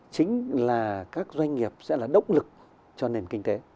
chính là các doanh nghiệp sẽ là động lực cho nền kinh tế